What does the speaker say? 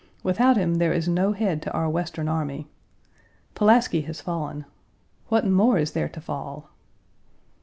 1 Without him there is no head to our Western army. Pulaski has fallen. What more is there to fall?